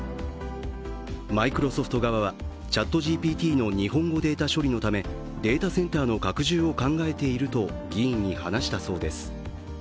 マイクロソフト側はＣｈａｔＧＰＴの日本語データ処理のため、データセンターの拡充を考えていると議員に話したそうです。